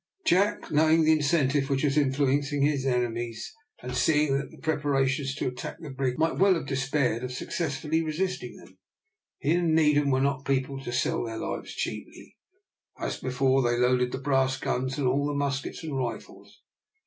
Jack, knowing the incentive which was influencing his enemies, and seeing the preparations made to attack the brig, might well have despaired of successfully resisting them. He and Needham were not people to sell their lives cheaply. As before, they loaded the brass guns, and all the muskets and rifles.